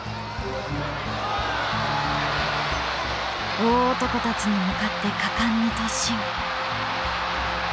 大男たちに向かって果敢に突進。